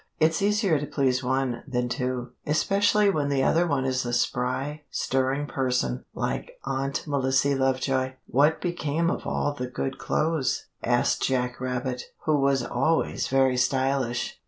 It's easier to please one than two, especially when the other one is a spry, stirring person like Aunt Melissy Lovejoy." "What became of all the good clothes?" asked Jack Rabbit, who was always very stylish.